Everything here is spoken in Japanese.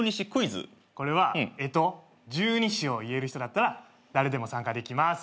これは干支十二支を言える人だったら誰でも参加できます。